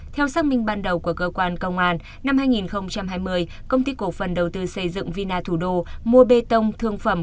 theo xác minh ban đầu của cơ quan công an năm hai nghìn hai mươi công ty cổ phần đầu tư xây dựng vina thủ đô mua bê tông thương phẩm